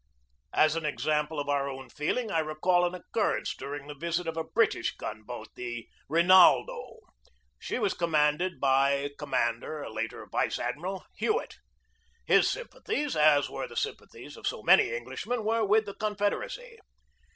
As an example of our own feeling I recall an oc currence during the visit of a British gun boat, the Rinaldo. She was commanded by Commander, IN NEW ORLEANS 83 later Vice Admiral, Hewett. His sympathies, as were the sympathies of so many Englishmen, were with the Confederacy.